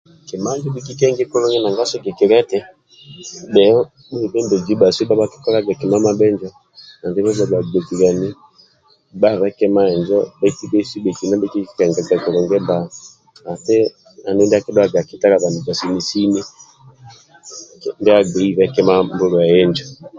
Kima injo bhikikengi kulungi nanga sigikilia eti bhebembezi bheo ndibhasu andibho ndibha bhakikiolaga kima mabhinjo andibho ndibha bhagbokiliani gbabe kima injo bhaitu bhesu ndibhetolo bhikikengaga kulungi bba ati andulu ndia akidhuwaga akitalibaniza sini sini ndia agbeibe kima mbulue injo